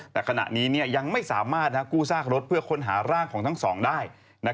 แต่ขณะนี้ยังไม่สามารถกู้ซากรถเพื่อค้นหาร่างของทั้งสองได้